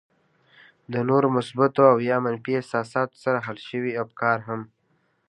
له نورو مثبتو او يا منفي احساساتو سره حل شوي افکار هم.